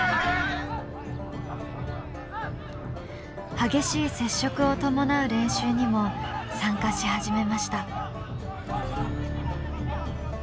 激しい接触を伴う練習にも参加し始めました。